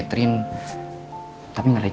artingnya east dukil